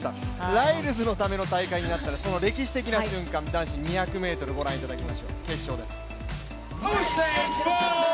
ライルズのための大会になった、その歴史的な瞬間、男子２００ｍ、ご覧いただきましょう決勝です。